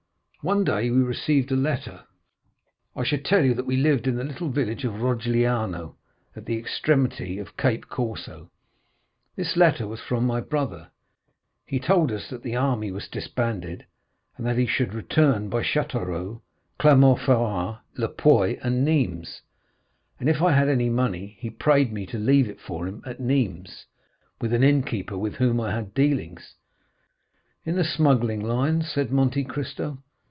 "One day we received a letter. I should tell you that we lived in the little village of Rogliano, at the extremity of Cap Corse. This letter was from my brother. He told us that the army was disbanded, and that he should return by Châteauroux, Clermont Ferrand, Le Puy, and Nîmes; and, if I had any money, he prayed me to leave it for him at Nîmes, with an innkeeper with whom I had dealings." "In the smuggling line?" said Monte Cristo.